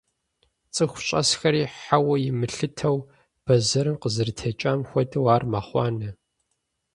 ЦӀыху щӀэсхэри хьэуэ имылъытэу, бэзэрым къызэрытекӀам хуэдэу ар мэхъуанэ.